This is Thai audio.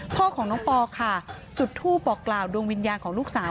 พ่อของน้องปอค่ะจุดทูปบอกกล่าวดวงวิญญาณของลูกสาว